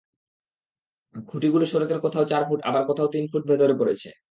খুঁটিগুলো সড়কের কোথাও চার ফুট আবার কোথাও তিন ফুট ভেতরে পড়েছে।